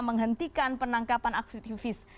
menghentikan penangkapan aktivis